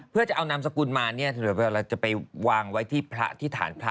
เพื่อจะเอานำสกุลมาเดี๋ยวเราจะไปวางไว้ที่ฐานพระ